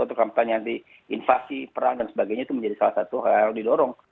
untuk kampanye anti invasi perang dan sebagainya itu menjadi salah satu hal yang didorong